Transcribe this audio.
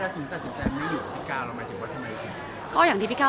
ก็ไม่ได้ถึงตัดสินใจ